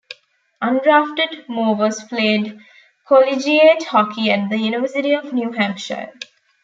Undrafted, Mowers played collegiate hockey at the University of New Hampshire.